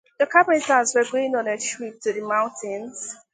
The Carpenters were going on a trip to the mountains.